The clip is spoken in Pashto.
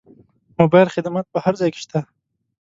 موبایل خدمات په هر ځای کې شته.